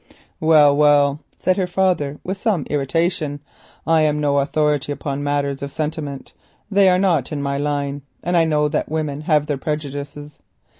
"Well, well," said her father with some irritation, "I am no authority upon matters of sentiment; they are not in my line and I know that women have their prejudices.